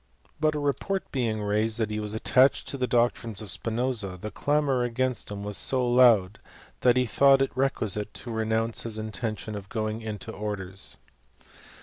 But, a report being raised that he was attached to the doctrines of Spi noza, the clamour against him was so loud that he thought it requisite to renounce his intention of going into orders.